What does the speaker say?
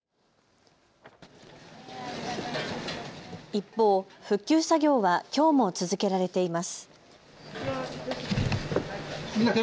一方、復旧作業はきょうも続けられています。